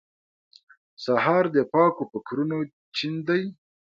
سهار د پاکو فکرونو چین دی.